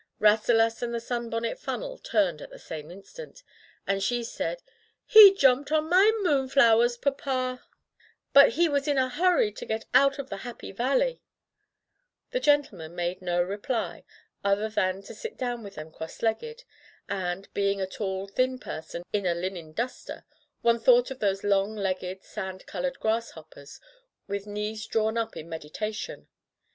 Rasselas and the sunbonnet funnel turned at the same instant, and she said: "He jumped on my moonflowers, papa, [ 171 ] Digitized by LjOOQ IC Interventions but he was in a hurry to get out of the Happy Valley/' The gentleman made no reply other than to sit down with them cross legged, and, be ing a tall, thin person in a linen duster, one thought of those long legged sand colored grasshoppers with knees drawn up in medi tation.